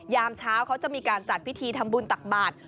ยามเช้าเขาจะมีการจัดพิธีทำบุญตักบาท